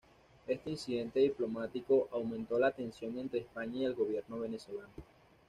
Este incidente diplomático aumentó la tensión entre España y el gobierno venezolano.